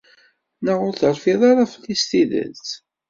Naɣ ur terfid ara fell-is s tidet?